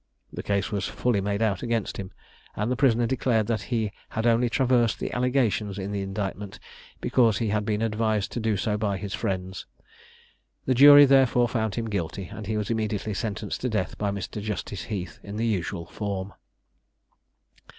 The case was fully made out against him; and the prisoner declared that he had only traversed the allegations in the indictment because he had been advised to do so by his friends. The jury therefore found him guilty, and he was immediately sentenced to death by Mr. Justice Heath in the usual form.